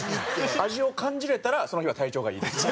味を感じられたらその日は体調がいいです。